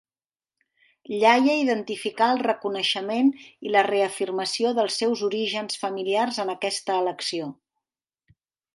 Ilaiah identificà el reconeixement i la reafirmació dels seus orígens familiars en aquesta elecció.